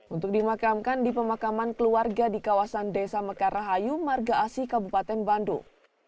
untuk dimakamkan di pemakaman keluarga di kawasan desa mekar rahayu marga asi kabupaten bandung